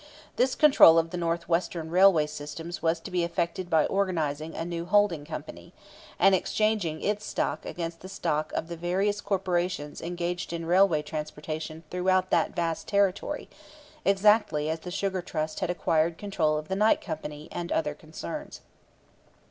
This control of the Northwestern railway systems was to be effected by organizing a new "holding" company, and exchanging its stock against the stock of the various corporations engaged in railway transportation throughout that vast territory, exactly as the Sugar Trust had acquired control of the Knight company and other concerns.